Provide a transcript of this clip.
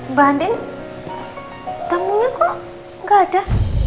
mbak andien tamunya kok nggak ada